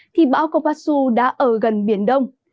thì bão kompassu đã ở gần biển đông